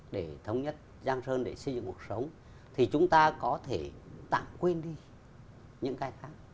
để thống nhất giang sơn để xây dựng cuộc sống thì chúng ta có thể tạm quên đi những khai thác